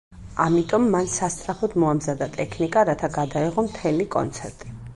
ამიტომ მან სასწრაფოდ მოამზადა ტექნიკა, რათა გადაეღო მთელი კონცერტი.